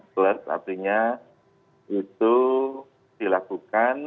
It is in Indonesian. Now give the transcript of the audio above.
slurs artinya itu dilakukan